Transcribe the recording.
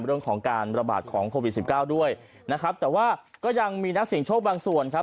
เรื่องของการระบาดของโควิดสิบเก้าด้วยนะครับแต่ว่าก็ยังมีนักเสียงโชคบางส่วนครับ